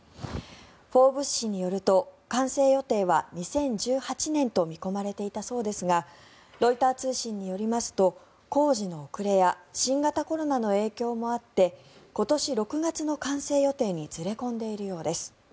「フォーブス」誌によると完成予定は２０１８年と見込まれていたそうですがロイター通信によりますと工事の遅れや新型コロナの影響もあって今年６月の完成予定にずれ込んでいるようです。